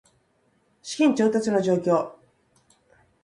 資金調達の状況